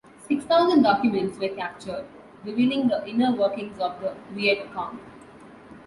Six thousand documents were captured, revealing the inner workings of the Viet Cong.